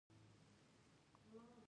د سبزیجاتو ضایعات څومره دي؟